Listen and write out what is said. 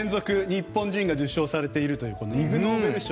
日本人が受賞されているというイグ・ノーベル賞。